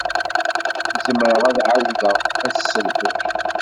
Zemreɣ ad ɛawdeɣ ad tt-sselḥuɣ?